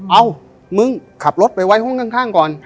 เอ้ามึงขับรถไปไว้ห้องข้างก่อน